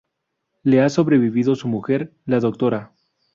Le ha sobrevivido su mujer la Dra.